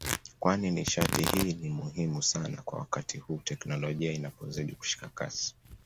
kwani nishati hii ni muhimu sana kwa wakati huu teknolojia inapozidi kushika kasi